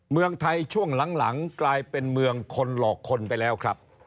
เมืองไทยช่วงหลังกลายเป็นเมืองคนหลอกคนไปแล้วครับ